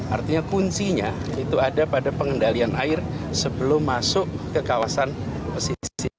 artinya kuncinya itu ada pada pengendalian air sebelum masuk ke kawasan pesisir